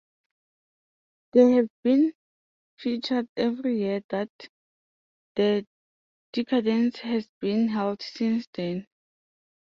They have been featured every year that the Decadence has been held since then.